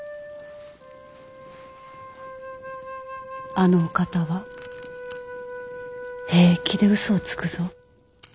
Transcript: あのお方は平気で嘘をつくぞ。